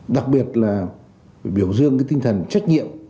đặc biệt là biểu dương tinh thần trách nhiệm